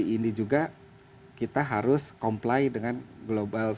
nah ketika kita sudah diakui bahwa kita harus comply dengan global standard